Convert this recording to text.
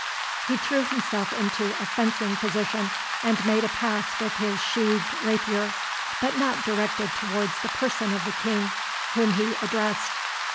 He threw himself into a fencing position, and made a pass with his sheathed rapier, but not directed towards the person of the King, whom he addressed.